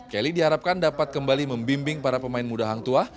kelly diharapkan dapat kembali membimbing para pemain muda hangtua